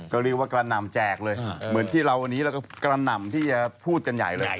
ก็เรียกว่ากระหน่ำแจกเลยเหมือนที่เราวันนี้เราก็กระหน่ำที่จะพูดกันใหญ่เลย